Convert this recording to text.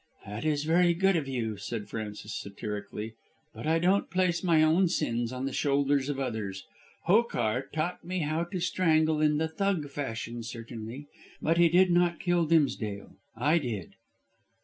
"That is very good of you," said Frances satirically, "but I don't place my own sins on the shoulders of others. Hokar taught me how to strangle in the Thug fashion certainly, but he did not kill Dimsdale. I did."